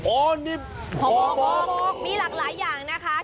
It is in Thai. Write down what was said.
โอ้นิ่มพอมีหลากหลายอย่างนะคะ